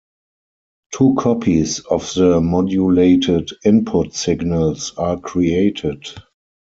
Two copies of the modulated input signals are created.